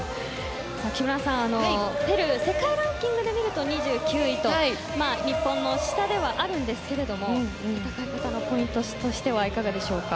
木村さん、ペルー世界ランキングで見ると２９位と日本の下ではありますが戦い方のポイントとしてはいかがでしょうか？